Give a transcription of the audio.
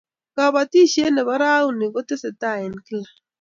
kabotishee nebo rauni kutesetai n kla